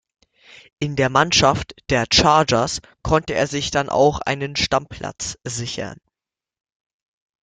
In der Mannschaft der Chargers konnte er sich dann auch einen Stammplatz sichern.